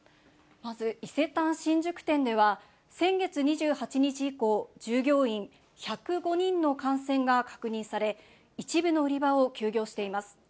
まず伊勢丹新宿店では先月２８日以降、従業員１０５人の感染が確認され、一部の売り場を休業しています。